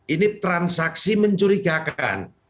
ini transaksi mencurigakan